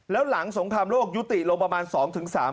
แล้วหลังสงครามโลกยุติลงประมาณ๒๓ปี